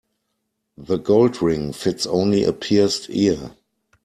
The gold ring fits only a pierced ear.